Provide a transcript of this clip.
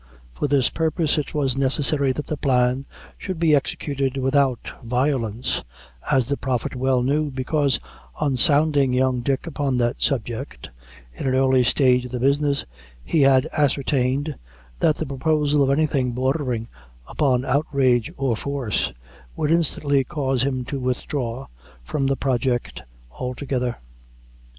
For this purpose, it was necessary that the plan should be executed without violence, as the Prophet well knew, because, on sounding young Dick upon that subject, in an early stage of the business, he had ascertained that the proposal of anything bordering upon outrage or force, would instantly cause him to withdraw from the project altogether.